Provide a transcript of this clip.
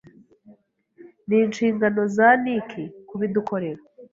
n’inshingano za Nic kubidukorera.